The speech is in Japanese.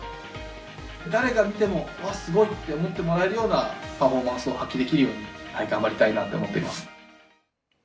誰が見ても「うわ、すごい！」って思ってもらえるようなパフォーマンスを発揮できるように頑張りたいなって思っています。